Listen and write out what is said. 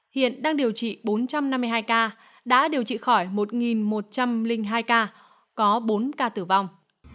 hiện đang điều trị bốn trăm năm mươi hai ca đã điều trị khỏi một một trăm linh hai ca có bốn ca tử vong